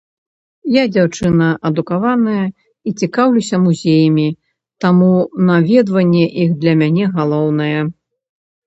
Я дзяўчына адукаваная і цікаўлюся музеямі, таму наведванне іх для мяне галоўнае.